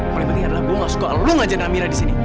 paling penting adalah gue gak suka lo ngajarin amira disini